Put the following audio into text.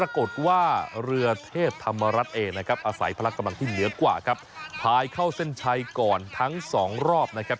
อาศัยพระรักษ์กำลังที่เหนือกว่าครับภายเข้าเส้นชัยก่อนทั้งสองรอบนะครับ